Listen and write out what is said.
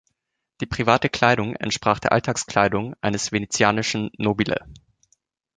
Die private Kleidung entsprach der Alltagskleidung eines venezianischen "Nobile".